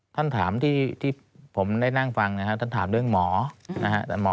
ท่านถามที่ผมได้นั่งฟังนะครับท่านถามเรื่องหมอนะฮะ